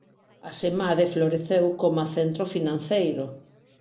Asemade floreceu coma centro financeiro.